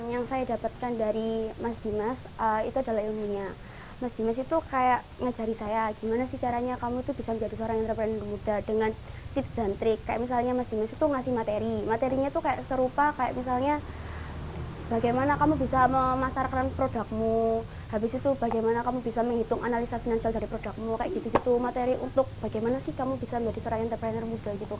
hai yang saya dapatkan dari mas dimas itu adalah ilmunya meskipun situ kayak ngejari saya gimana sih caranya kamu tuh bisa menjadi seorang entrepreneur muda dengan tips dan trik ke misalnya masih masih itu ngasih materi materinya tuh kayak serupa kayak misalnya bagaimana kamu bisa memasarkan produkmu habis itu bagaimana kamu bisa menghitung analisa finansial dari produkmu kayak gitu gitu materi untuk bagaimana sih kamu bisa menjadi seorang entrepreneur muda gitu kak